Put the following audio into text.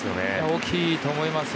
大きいと思います。